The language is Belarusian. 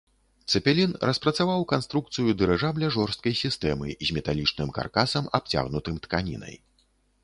Цэпелін распрацаваў канструкцыю дырыжабля жорсткай сістэмы з металічным каркасам, абцягнутым тканінай.